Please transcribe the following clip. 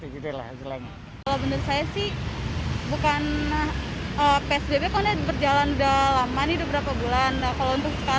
kalau bener saya sih psbb kok berjalan udah lama nih udah berapa bulan